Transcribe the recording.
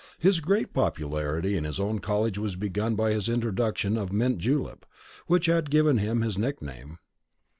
His great popularity in his own college was begun by his introduction of mint julep, which had given him his nickname.